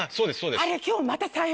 あれ今日また。